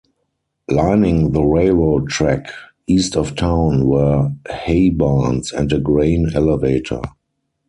Lining the railroad track east of town were hay barns and a grain elevator.